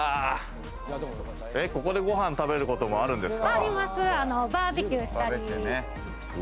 ここでご飯食べることもあるんですか？